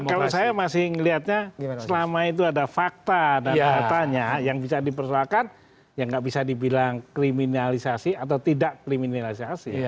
cuman kalau saya masih ngeliatnya selama itu ada fakta dan katanya yang bisa dipersepakan yang gak bisa dibilang kriminalisasi atau tidak kriminalisasi